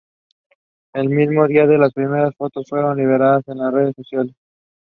She works with virtual and augmented reality for health care and automation.